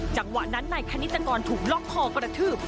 จังหวะนั้นนายคณิตกรถูกล็อกคอกระทืบ